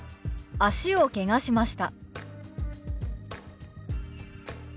「脚をけがしました」。